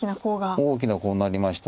大きなコウになりました。